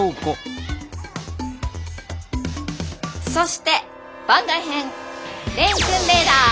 そして番外編蓮くんレーダー。